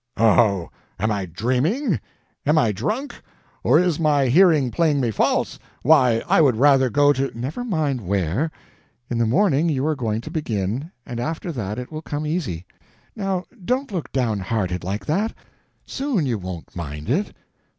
"Oh, am I dreaming? Am I drunk—or is my hearing playing me false? Why, I would rather go to—" "Never mind where. In the morning you are going to begin, and after that it will come easy. Now don't look downhearted like that. Soon you won't mind it."